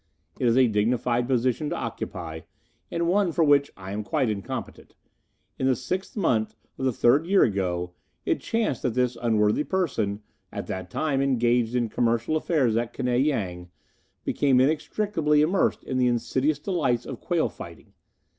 "It is a dignified position to occupy, and one for which I am quite incompetent. In the sixth month of the third year ago, it chanced that this unworthy person, at that time engaged in commercial affairs at Knei Yang, became inextricably immersed in the insidious delights of quail fighting.